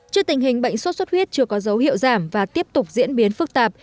trước tình hình bệnh sốt xuất huyết chưa có dấu hiệu giảm và tiếp tục diễn biến phức tạp